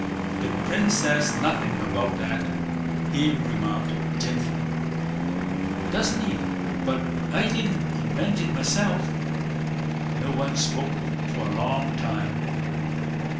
"The prince says nothing about that," he remarked gently. "Doesn't he? But I didn't invent it myself." No one spoke for a long time.